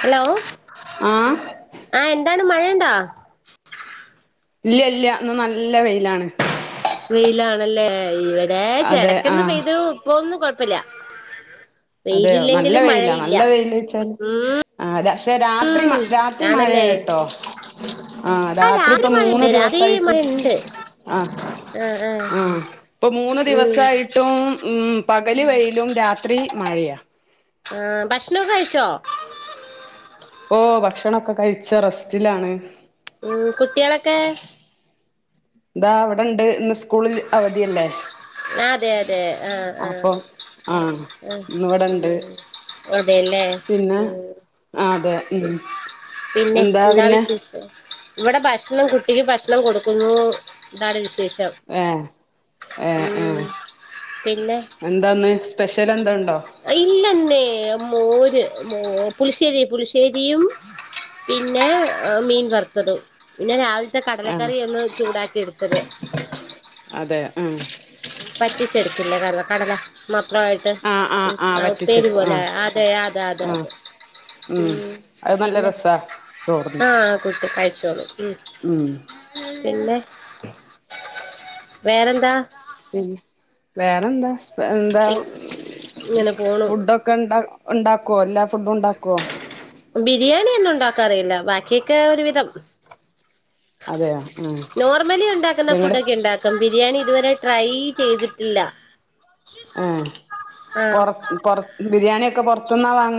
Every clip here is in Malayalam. ഹലോ ആഹ് ആ എന്താ ക്ക് മഴയുണ്ടോ ഇല്ല ഇല്ല്യ. ഇന്ന് നല്ല വെയിലാണ്. വെയിലാണല്ലേ ഈഏ ലേശം അതെ എടക്കൊന്നു ആഹ് പെയ്തു ഇപ്പൊന്നു കൊഴ പ്പല്ലാ. അതെയോ? നല്ല വെയിലാ നല്ല വെയില് വെച്ചാല് ഉം [unintelligible] പക്ഷെ രാത്രി ഉം രാത്രി ആണല്ലേ മഴയാണ് ട്ടോ. ആഹ് ആ രാത്രി ഇപ്പ മഴയുണ്ട് മൂന്ന് രാത്രി ദിവസമായിട്ട് മഴയുണ്ട് ആഹ് ആ ആ അഹ് ഇപ്പൊ മൂന്ന് ഉം ദിവസായിട്ടും ഉം പകല് വെയിലും രാത്രി മഴയാ. ആ ഭക്ഷണമൊക്കെ കഴിച്ചോ? ഓ ഭക്ഷണൊക്കെ കഴിച്ച് റെസ്റ്റിലാണ്. മ് കുട്ടികളൊക്കെ? ദാവിടെ ഇണ്ട്. ഇന്ന് സ്കൂളിൽ അവധിയല്ലേ? അതെയത് തെ ആഹ് അപ്പൊ ആഹ് ഇന്ന് ഇവിടെണ്ട് അതെല്ലേ? പിന്നെ ആഹ് ആഹ് അതെ ഉം പിന്നെ എന്താ വിശേഷം? ഇവടെ ഭക്ഷണം കുട്ടിക്ക് ഭക്ഷണം കൊടുക്കുന്നു. ഇതാണ് വിശേഷം. ഏ മ് പിന്നെ എന്താന്ന് സ്പെഷ്യൽ എന്തണ്ടോ ഇല്ലെന്നേ. മോര് മോ പുളിശ്ശേരി പുളിശ്ശേരിയും, പിന്നെ മീൻ വറുത്തതും. പിന്നെ രാവി ലത്തെ ആഹ് കടലക്കറി ഒന്ന് ചൂടാക്കിയെടുത്തത് അതെ ആഹ് പറ്റിച്ചെടുത്തില്ലേ [unintelligible] കടല മ ത്രായിട്ട് ആഹ് ആഹ് ആഹ് ആ ഉപ്പേരി വറ്റിച്ചെടുക്കും പോലെ, ആഹ് അതെ, അതെ, അതെ, ആഹ് അതെ. ഉം അത് നല്ല പിന്നെ രസാ ചോറിന് ആ കുട്ടി കഴി [unintelligible] ഉം പിന്നെ വേറെന്താ? പിന്നെ വേറെന്താ എന്താ ഇങ്ങനെ പോണു ഫുഡൊക്കെ ഉണ്ട ഉണ്ടാ കൊല്ല ഫുഡ് ഉണ്ടാക്കോ? രിയാണി ഒന്നും ഉണ്ടാക്കാ അറിയില്ല. ബാക്കിയൊക്കെ ഒരു വിധം. അതെ യാ നോർമലി ഉണ്ടാക്കുന്ന ഫുഡ് ഒക്കെ ഇണ്ടാക്കും. ബിരിയാണി ഇതുവരെ ട്രൈ ചെയ്തിട്ടില്ല. ആ ആഹ് പൊറ പൊറ ബിരിയാണി ക്കെ പൊറത്തുന്ന വാങ്ങ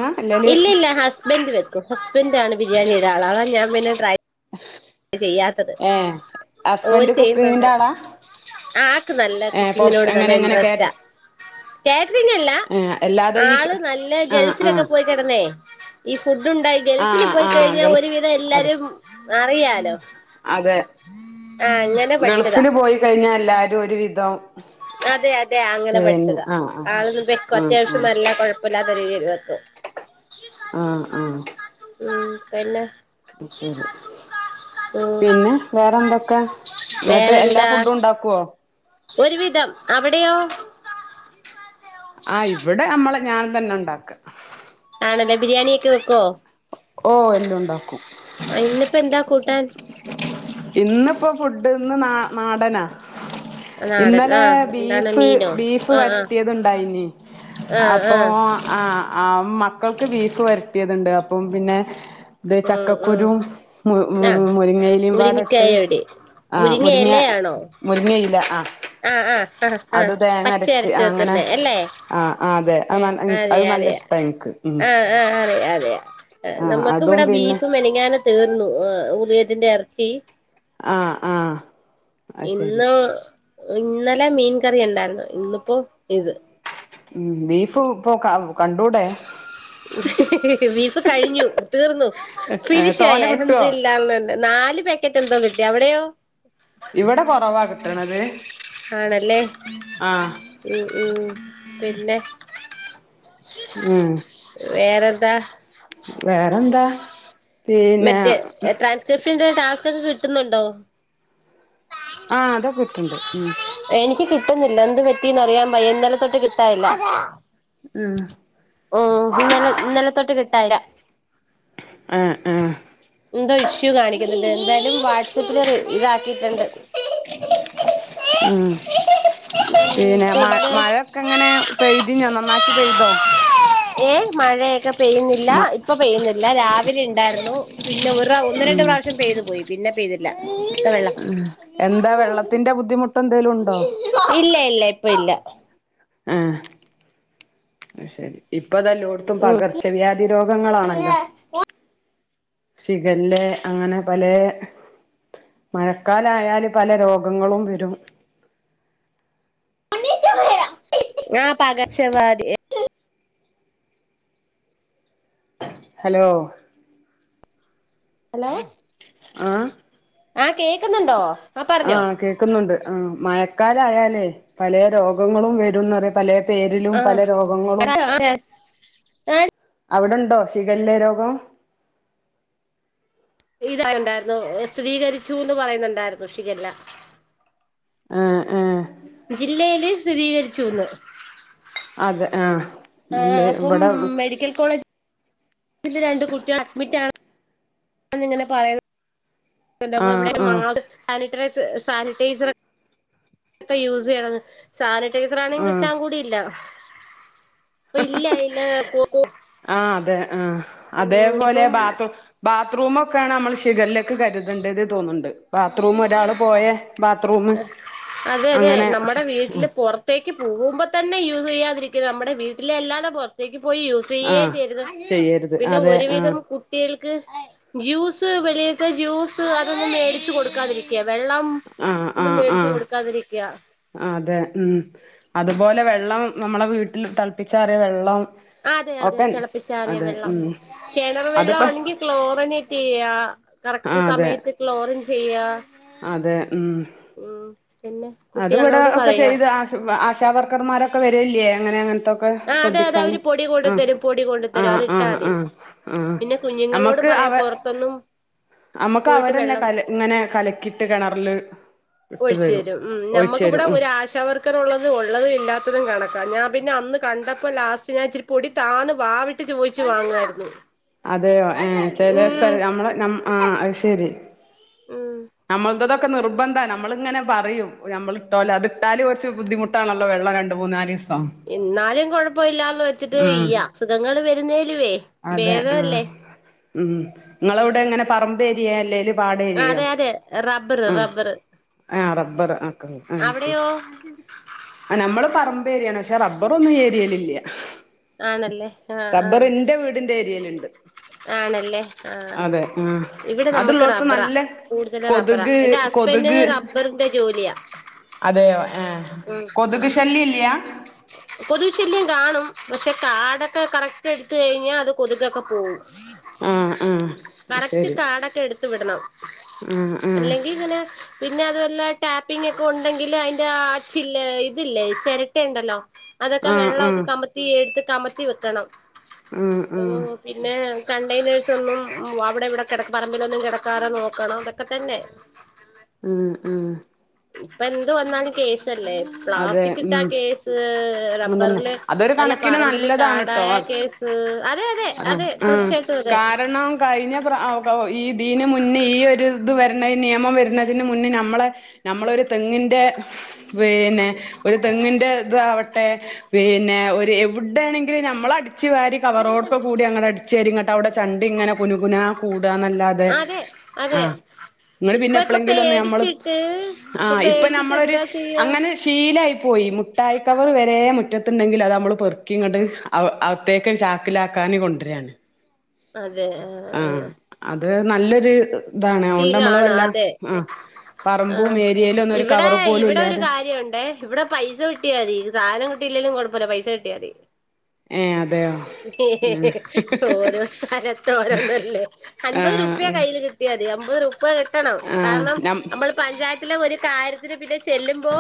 ഇല്ല ഇല്ല ഹസ്ബന്റ് വെക്ക് [unintelligible] ഹസ്ബന്റാണ് ബിരിയാണിയുടെ ആളാവ ഞാ മെ ്രൈ ചെയ്യാത്തത് ഏഹ് ഓര് ഹസ്ബൻഡ് ചെയ്യുന്നുണ്ട് കുക്കിങ്ങിന്റെ ആളാ ആക്ക് നല്ല ഏഹ് പൊറ കുക്കിങ്ങിനോട് നല്ല എങ്ങനെ എങ്ങനെ ഇൻട്രസ്റ്റാ കേറ്റ കാറ്ററിങ്ങല്ല ഏഹ് അല്ലാതെ ഈ ആള് നല്ല ആഹ് ഗൾഫിലൊക്കെ ആഹ് പോയി കിടന്നേ ഇഫ് ഫുഡ് ഉണ്ടായി ഗൾഫിൽ ആഹ് പോയി ആഹ് കഴിഞ്ഞാൽ ഗൾഫ് ഒരുവിധം അതെ എല്ലാവരും അറിയാ അതെ അങ്ങനെ പഠിച്ചതാ ഗൾഫ്ന് പോയി കഴിഞ്ഞാ എല്ലാരും ഒരു വിധം അതെ അതെ അങ്ങനെ പിന്നെ പഠിച്ചതാ ആഹ് ആഹ് ആള് വെക്കും ആഹ് അത്യാവശ്യം നല്ല കൊഴപ്പമില്ലാത്ത രീതിൽ [unintelligible] ആ ആ ഉം പിന്നെ ശരി ഉം പിന്നെ വേറെന്തൊക്കെ ഇന്ന്ട്ട് എല്ലാ വേറെന്താ ഫുഡും ഉണ്ടാക്കുവോ ഒരുവിധം അവിടെയോ ആ ഇവിടെ നമ്മളെ ഞാൻ തന്നെ ഉണ്ടാക്ക [unintelligible] ബിരിയാണിയ ഒക്കെ വെക്കോ ഓ എല്ലാം ഉണ്ടാക്കും ആ ഇന്നിപ്പോ എന്താ കൂട്ടാൻ ഇന്ന് ഇപ്പ ഫുഡ് ഇന്ന് നാടനാ നാടൻ ഇന്നലെ ആഹ് എന്താണ് ബീഫ് മീനോ ബീഫ് ആഹ് വരട്ടിയത്ണ്ടായിനി ആഹ് ആഹ് അപ്പോ ആഹ് ആ ആ മക്കൾക്ക് ബീഫ് വരട്ടിയയതുണ്ട് അപ്പം പിന്നെ ണ്ട് ഉം ഉം ചക്കക്കുരും, ആഹ് മുരിങ്ങയിലയും പാടട്ട് മുരിങ്ങക്കായ ഇവിടെ ആ മുരിങ്ങ മുരിങ്ങയില ആ ആ ആ അത് തേങ്ങ പച്ച അരച്ച് അരച്ച അങ്ങനെ വെക്കുന്നേ അല്ലേ ആ ആ അതെ അത് അത് അറിയാ നല്ല അറിയാ ഇഷ്ട എനിക്ക് ഉം ആ ആ അറിയാ അറിയാ ആ നമ്മുക്ക് അതും ഇവിടെ പിന്നെ ബീഫ് മെനഞ്ഞാന്ന് തീർന്നു ഉള്ഹിയത്തിന്റെ എർച്ചി ആ ആ അത് ശരി ഇന്ന് ഇന്നലെ മീൻ കറിയുണ്ടായിരൂന്നു ഇന്നിപ്പോ ഇത് ഉം ബീഫ് [unintelligible] ബീഫ് കഴിഞ്ഞു തീർന്നു ഫിനിഷായി തോനെ കിട്ടുവോ അൽഹംദുലില്ലാന്ന് നാല് പാക്കറ്റ് എന്തോ കിട്ടി അവിടെയോ ഇവിടെ കൊറവാകി ട്ടണത് ആണല്ലേ ഉം ഉം പിന്നെ ആഹ് വേറെന്താ? വേറെന്താ? പിന്നെ ! ! ! ! ! ആഹ് അതൊക്കെ കിട്ട്ണ്ട് ഉം എനിക്ക് കിട്ടുന്നില്ല എന്ത് പറ്റിന്നറിയാ ൻ വയ്യന്നലെ തൊട്ട് കിട്ട [unintelligible] ആഹ് ഓ ഇന്നലെ ന്നലെത്തൊട്ട് കിട്ട തഴ ആഹ് ആഹ് എന്താ ഇഷ്യു കാണിക്കുന്നു അല്ല എന്തായാലും വാട്സ് ആപ്പിൽ റിവ ഇതാക്കിട്ട്ണ്ട് ഉം മ പിന്നെ മഴൊക്കെ എങ്ങനെ പെയ്തിഞ്ഞോ നന്നാക്കി പെയ്തോ ഏ മഴയൊക്കെ പെയ്യുന്നില്ല മ ഇപ്പൊ പെയ്യുന്നില്ല രാവി അവര്ണ്ടായിരുന്നു പിന്നെ ഒ ഒന്ന് രണ്ട് പ്രാവശ്യം പെയ്തു പോയി പിന്നെ പെയ് ല്ല ഉ എന്താ വെള്ളത്തിന്റെ ബുദ്ധിമു ഇല്ല ഇല്ല. ഇപ്പ ഇല്ല ആഹ്. അത് ശരി. ഇപ്പൊതെല്ലോടത്തും ഉം പകർച്ച വ്യാധി രോഗങ്ങളാണല്ലോ. ഷിഗല്ല അങ്ങനെ പല മഴക്കാലായല് പല രോഗങ്ങളും വരും. ആ പകർച്ച വ്യാധി. ഹലോ ഹലോ ആഹ് ആ കേക്കുന്നുണ്ടോ? ആഹ് കേക്കുന്നുണ്ട്. ആ മഴക്കാലയാലേ പലേ രോഗങ്ങളും വെരൂന്ന് പറയാ പലേ പേരിലും പല ആഹ് രോഗങ്ങളും [unintelligible] അവിടുണ്ടോ ഷിഗല്ലെ രോഗം? ഉണ്ടായിരുന്നു സ്ഥിരീകരിച്ചുന്ന് പറയുന്നുണ്ടായിരുന്നു ഷിഖല്ല ആ ആ ജില്ലയില് സ്ഥിരീകരിച്ചുന്ന് അതെ ആ ആ അപ്പം മെഡിക്കൽ കോളേജ് രണ്ട കുട്ടികൾ അഡ്മിറ്റ ആണന്നിങ്ങനെ പറയുന്ന ആഹ് ഇവിടെ മാ ആഹ് സാനിറ്റൈസർ സാനിറ്റൈസർക്കെ യൂസ് ചെയ്യണംന് സാനി [unintelligible] ആഹ് കിട്ടാൻ കൂടിയില്ല ഇല്ല ഇല്ല ആ അതേപോലെ ബാത് ഇപ്പം ബാത്റൂമൊക്കെയാണ് നമ്മൾ ഷിഗല്ല കരുതണ്ട തോന്നുന്നുണ്ട് ബാത്റൂം ഒരാള് പോയ ബാത്റൂം അതെ അതെ അങ്ങനെ നമ്മുടെ വീട്ടില് പുറത്തേക്ക് പോകുമ്പോ തന്നെ യൂസ് ചെയ്യാതിരിക്കും നമ്മുടെ വീട്ടിലെ അല്ലാതെ പുറത്തേക്കും പോയി യൂസ് ചെയ്യേ ആഹ് ചെയ്യരുത് ചെയ്യരുത് പിന്നെ അതെ ഒരുവിധം ആഹ് കുട്ടികൾക്ക് ജ്യൂസ് വെളിയിൽത്തെ ജ്യൂസ് അതൊന്നും മേടിച്ച്ച് കൊടുക്കാതിരിക്ക വെള്ളം ആഹ് ഒന്നും ആഹ് മേടിച്ചച്ച് ആഹ് കൊടുക്കാതിരി യാ അതെ ഉം അതുപോലെ വെള്ളം നമ്മളെ വീട്ടിൽ തിളപ്പിച്ചാറിയ വെള്ളം അതെ അതെ ഒക്കെ തിളപ്പിച്ചാറിയ അതെ വെള്ളം ഉം കിണറു വെള്ളം അതിപ്പ ആണെങ്കിൽ ക്ലോറിനിട്ടി ആ കറക്റ്റ് അതെ സമയത്തട്ടുള്ള ഓറഞ്ച് ചയ്യാ അത് പിന്നെ അത്ുകൂടെ കുട്ടികളോട് ഒക്കെ പറയാ ചെയ്ത് ആശ വർക്കർമാരൊക്കെ വരില്ലേങ്ങനെ അങ്ങനെ ആ അതെ അതെ അവര് പൊടി ശ്രധിക്കാനുംക്ക്ക്ക് കൊണ്ട് തരും പൊടി കൊണ്ട് തരും അത് ഇട്ടാ മതി പിന്നെ കുഞ്ഞുങ്ങളോട് പറയാ പൊറത്തൊന്നും പോയിട്ട് വെള്ളം ഇല അല് ഒഓഴിച്ചു തരും ഉ നമമ്മക്കക്ക്ിവിടെ ഒ ആശാവർക്കനുള്ളത് ഉള്ളതും ഇല്ലാത്തതും കണക്കാം ഞാ പിന്നെ അന്ന് കണ്ടപ്പോ ലാസ്റ്റ് ഞാ ഇച്ചിരി പൊടി താാന് വാവിട്ട് ചോദിച്ചു വാങ്ങായിരുന്നു അതെയോ ഏന് ചെറിയ സ്ഥലം നമ്മളെ ന അത് ശരി. ഉം നമ്മളന്തത ക്കെ നിർബന്ധ നമ്മളിങ്ങന പറയും നമ്മളിട്ടോലെ അത് ഇട്ടാല് കുറച്ച് ബുദ്ധിമുട്ടാണല്ലോ വെള്ളം രണ്ട് മൂന്നാലീസ് എന്നാലും കൊഴപ്പമില്ലാന്ന് വെച്ചിട്ട് ആഹ് ഈ അസുഖങ്ങൾ വെരുന്ന അതെ ആ ഉം നിങ്ങളവിടെ ഉം എങ്ങനെ പറമ്പ അല്ലേല്ലും അതെ അതെ റബ്ബറ് റബ്ബറ് അവിടെയോ നമ്മള് പറമ്പേരിയാണ് പക്ഷേ റബ്ബർ ഒന്നൂം ഈഏരിയില് ഇല്ല ആണല്ലേ ആഹ് ആഹ് ന്റെ ഏരിയലുണ്ട് ആണല്ലേ ആ അതെ ആഹ് ഇവിടെ നമുക്ക് അതുള്ളോടത്ത് റബ്ബറാ നല്ല കൂടുതൽ റബ്ബറാ കൊതുക് എന്റെ കൊതുക് ഹസ്ബൻഡിന് റബ്ബറിന്റെ ജോലിയാ അതെയോ ആഹ് ഉ കൊതുക് ശല്യല്ല കൊതുക്ശല്യം കാണും പക്ഷെ കാടൊക്കെ കറക്റ്റ് എടുത്ത് കഴിഞ്ഞാൽ അത് കൊതുക് ക്കെപോകും ആഹ് ആഹ് കറക്റ്റ് ശരി കാട്ക്കെഎടുത്തു വിടണം ആഹ് അല്ലെങ്കിൽ ആഹ് ഇങ്ങനെ പിന്നെ അത് നല്ലതായി ടാപ്പിംഗ് ഒക്കെ ഉണ്ടെങ്കിൽ അതിന്റെ ആ ചില്ല് ഇതില്ലേ ചിരട്ട ഉണ്ടല്ലോ അതൊക്കെ ആഹ് വെള്ളമൊക്കെ ആഹ് കമ്മത്തി എടുത്ത് കമത്തി വെയ്ക്കണം ആഹ് ആഹ് പിന്നെ കണ്ടെയ്നേഴ്സ് ഒന്നും അവിടെ ഇവിടെ കിടക്കാതെ പറമ്പിലൊന്നും കിടക്കാറോ നോക്കണം അതൊക്കെ തന്നെ ഉം ഉം ഇപ്പ എന്ത് വന്നാലും കേശ ല്ലേ അതെ പ്ലാസ്റ്റിക് ഇട്ടാ ഉം കേസ് അതന്നെ റബ്ബറില് അതൊരു നല്ല കണക്കിന് പറമ്പില് നല്ലതാണ് ട്ടോ കാടായ അത് കേസ് അതെ അതെ ആഹ് അതെ ആഹ് തീർച്ചയായിട്ടും അതെ ഇന് മുന്നേ ഈ ഒരു ഇത് വരുന്ന ഈ നിയമം വരുന്നതിന് മുന്നേ നമ്മളെ നമ്മള ഒരു തെങ്ങിൻ്ന്റെ- വേ പിന്നെ ഒരു തെങ്ങിൻന്റെ ഇത ആവട്ടെ- പിന്നെ ഒരു എവിടെയാണെങ്കിലും നമ്മൾ- അടിച്ചുവരി കവറോടക്കെ കൂടി അങ്ങ അടിച്ചുവാരി- അവിടെ ചണ്ടി ഇങ്ങനെ കുനുകുനാ കൂറ്റം എന്നല്ലാതെ അതെ അതെ ആ ഇങ്ങളത് ഇപ്പ പിന്നെ ഇപ്പൊ എപ്പളെങ്ങി പേടിച്ചിട്ട് ആ ഇപ്പൊ ഇപ്പ പേടിച്ചിട്ട് നമ്മളൊരു എന്താ ചെയ്യാ അങ്ങനെ- ശീലായി പോയി മുട്ടായിക്കവറ് വര മുറ്റത്ത് ണ്ടെങ്കിൽ അത് നമ്മള് പെർക്കിങ്ങോട്ട് അകത്തേക്ക് ചാക്കിലാക്കാന കൊണ്ടുവര അതെ ആ അത് നല്ലൊരു- ഇതാണ് അതുകൊണ്ട് ശീല നമ്മള് ആണ് വല്ല അതെ ആഹ് ആ പറമ്പും ഏരിയയിലും ഒന്നും ഒരു ഇവിടെ കവറ് പോലും ഇവിടെ ഒരു ഇല്ലാതെ കാര്യ ഉണ്ടേ ഇവിടെ പൈസ കിട്ടിയാ മതി സാധനം കിട്ടി- ഇട്ടില്ലലും കുഴപ്പമില്ല പൈസ കിട്ടിയാ മതി ഏ അ ഓരോ സ്ഥലത്ത ഓരോന്നല്ലേ അൻപത് രൂപ്യ ആഹ് ആഹ് കയ്യിൽ കിട്ടിയാതി അ ബരു ഇപ്പ കിട്ടണം ആഹ് കാരണം നം നമ്മൾ പഞ്ചായത്തിലെ ഒരു കാര്യ ഇവര് വിലെജ് ചെല്ലുമ്പോ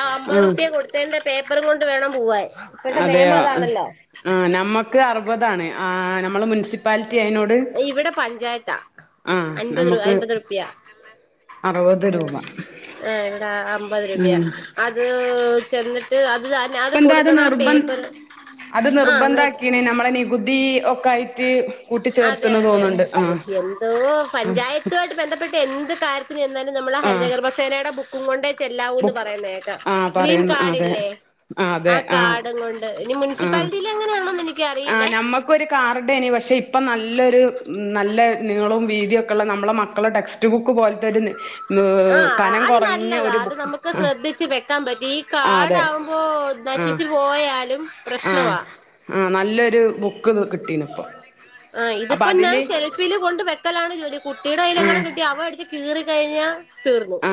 അമ്പത് ആഹ് റുപ്യ കൊടുത്ത പേപ്പ അപ്പറം കൊണ്ട് വേണം പോവാൻ ഇപ്പോഴത്തെ നിയമം അതെയോ അതാണല്ലോ ആ നമ്മക്ക് അറുപതാണ് നമ്മള് മുനിസിപ്പാലിറ്റി ആയനോട് ഇവിടെ പഞ്ചായത്താ ആഹ് അന്പത് നമുക്ക് അപത രൂപ ആ അറുപത് രൂപ ഇവിടെ അമ്പത് ഉം രൂപയാ അത് ചേന്നിട്ട് ഇപ്പ എന്താ അത് നിർബന് അത് നിർബന്ധ ആ ആക്കിണ് നമ്മളെ നികുതി ഒക്കെ ആായിട്ട് അതെ അതെ എന്തോ ആഹ് പഞ്ചായത്തുമായിട്ട് ബന്ധപ്പെട്ട് എന്ത് കാര്യ എന്നാലും നമ്മുടെ ആഹ് ഹരിനഗർഭസേനയുടെ ബു പുവ ണ്ട് ചെല്ലാവൂന്ന് ബുക്ക് പറയുന്നേക്ക ആഹ് ഗ്രീൻ പറയുന്ന കാഡ് അതെ ഇല്ലേ ആഹ് ആ അതെ ആഹ് കാഡും കൊണ്ട് ഇനി ആഹ് മുനിസിപ്പാലിറ്റിൽ എങ്ങനൊണോന്ന് എനിക്ക് അറിയില്ല ഇപ്പൊ നല്ലൊരു നല്ല നിങ്ങളും വീതി ഒക്കെ ഉള്ള നമ്മളെ മക്കളുടെ ടെക്സ്റ്റ് ബുക്ക് പോലത്തെ ഒരു നു കനം കുറഞ്ഞ ഒരു ബ ഒക്കെ ശ്രദ്ധിച്ച് വെക്കാൻ പറ്റി ഈ കാടാവുമ്പോ ആഹ് നശിച്ചു പോയാലും ആഹ് പ്രശ്നവാ ആഹ് നല്ലൊരു ബുക്ക് കിട്ടീന് ഇപ്പോ. ആഹ് ഇതിപ്പ ഞാന് ഷെൽഫിൽ കൊണ്ട് വെക്കലാണ് ജോലി കുട്ടിയുടെ കൈ യിലെങ്ങാനും കിട്ടി അവ എടുത്ത് കീറി കഴിഞ്ഞ ആ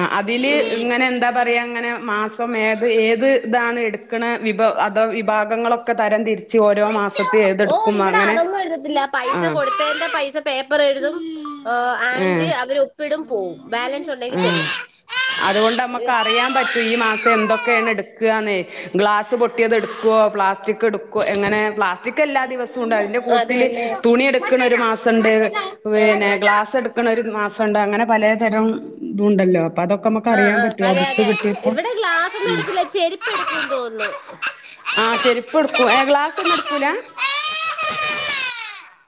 ആഹ് അതില് ഇങ്ങനെ എന്താ പറയാ ഇങ്ങനെ മാസം ഏത് ഏത്. ഇതാണ് എടുക്കണ വിഭവ അത് വിഭാഗങ്ങളൊക്കെ തരം തിരിച്ച് ഓരോ മാസത്തി ഓ ഏതെടുക്കും ഇവിടെ അങ്ങനെ അതൊന്നും എഴുതത്തില്ല പൈസ ആഹ്. കൊടുത്തതിന്റെ പൈസ പേപ്പർ എഴുതും ആൻഡ് ഏഹ് അവർ ഒപ്പിടും. ഉം ആഹ് അതുകൊണ്ട് നമ്മുക്ക് അയ്യോ അറിയാൻ പറ്റൂ ഈ മാസം എന്തൊക്കെയാണ് എടുക്കാന്ന്. ഗ്ലാസ് പൊട്ടിയത് എടുക്കുവോ പ്ലാസ് റ്റിക് എങ്ങനെ പ്ലാസ്റ്റിക്ക് എല്ലാം ദിവസവുംണ്ട് ആയിന്റെ കൂട്ടത്തില് തുണി അതെല്ലേ ആ, എടുക്കണ തുണി എടുക്കണ ഒരു മാസമുണ്ട് ആ. പിന്നെ ഗ്ലാസ്സെടുക്കണ ഒരുമാസ സുണ്ട് അങ്ങനെ പലതരം. ഇതു ഉണ്ടല്ലോ. അപ്പഅതൊക്കെ ആ ആ നമക്റിയാൻ പറ്റും ആ അതെ ബുക്ക് അതെ കിട്ടിയപ്പോ ഇവിടെ ഗ്ലാസ് ഒന്നും ഉം എടുക്കില്ല ചെരുപ്പ് എടുക്കും തോന്നുന്നു ആ ചെരിപ്പ എടുക്കും ഗ്ലാസ് ഒന്നും എടുക്കൂല.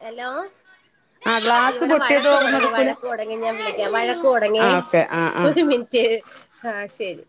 ഹലോ. ആഹ് ഗ്ലാസ് ഇവിടെ പൊട്ടിയത് വഴക്ക് ഒന്നും തുടങ്ങി എടുക്കൂല വഴക്ക് തുടങ്ങി ഞാൻ വിളിക്കാം വഴക്ക് തുടങ്ങി ആഹ് ഓക്കെ ആഹ് ആഹ് ഒരു മിനിറ്റ്. ആഹ് ശരി.